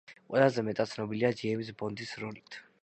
ყველაზე მეტად ცნობილია ჯეიმზ ბონდის როლით.